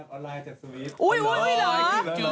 ออนไลน์จากสวีสอุ๊ยหรือ